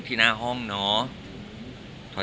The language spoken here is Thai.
ที่หน้าห้องเนาะ